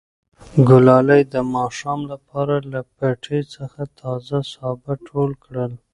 ګلالۍ د ماښام لپاره له پټي څخه تازه سابه ټول کړل.